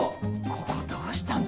ここどうしたの？